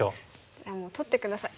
じゃあもう取って下さい。